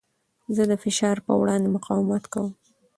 زه د فشار په وړاندې مقاومت کوم.